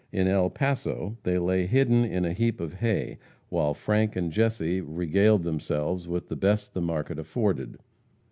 In El Paso, they lay hidden in a heap of hay, while Frank and Jesse regaled themselves with "the best the market afforded."